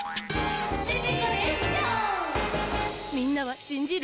みんなはしんじる？